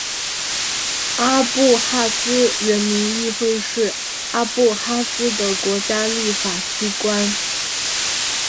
阿布哈兹人民议会是阿布哈兹的国家立法机关。